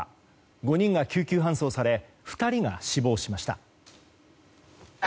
５人が救急搬送され２人が死亡しました。